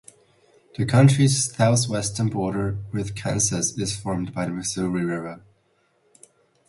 The county's southwestern border with Kansas is formed by the Missouri River.